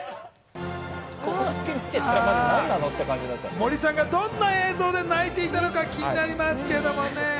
森さんが、どんな映像で泣いていたのか気になりますけれどもね。